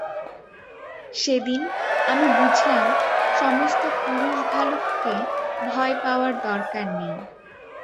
সেদিন, আমি বুঝলাম সমস্ত পুরুষ ভালুককে ভয় পাওয়ার দরকার নেই।